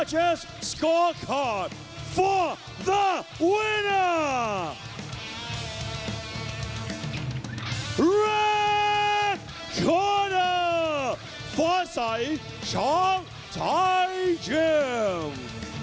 แรคกอร์น่าฝ่าใส่ช่องไทยเจมส์